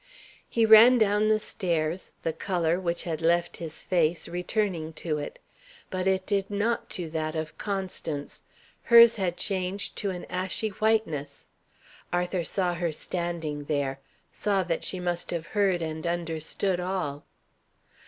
He ran down the stairs, the colour, which had left his face, returning to it. But it did not to that of Constance; hers had changed to an ashy whiteness. Arthur saw her standing there; saw that she must have heard and understood all.